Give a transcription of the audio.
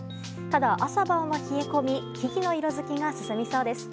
ただ、朝晩は冷え込み木々の色づきが進みそうです。